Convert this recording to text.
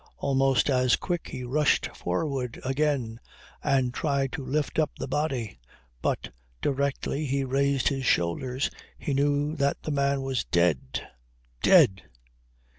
Almost as quick he rushed forward again and tried to lift up the body. But directly he raised his shoulders he knew that the man was dead! Dead!